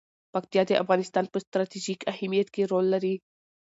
پکتیا د افغانستان په ستراتیژیک اهمیت کې رول لري.